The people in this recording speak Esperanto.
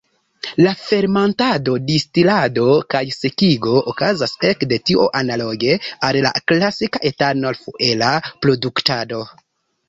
La fermentado, distilado kaj sekigo okazas ekde tio analoge al la klasika etanol-fuela produktado.